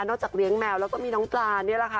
จากเลี้ยงแมวแล้วก็มีน้องปลานี่แหละค่ะ